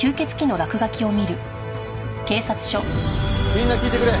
みんな聞いてくれ。